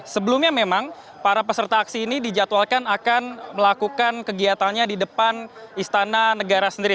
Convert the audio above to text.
sebelumnya memang para peserta aksi ini dijadwalkan akan melakukan kegiatannya di depan istana negara sendiri